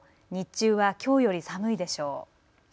日中はきょうより寒いでしょう。